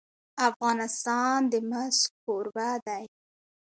افغانستان د مس کوربه دی.